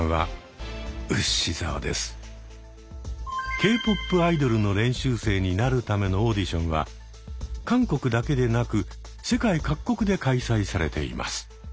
Ｋ−ＰＯＰアイドルの練習生になるためのオーディションは韓国だけでなく世界各国で開催されています。